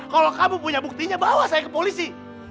kalau kamu punya buktinya bawa saya ke polisi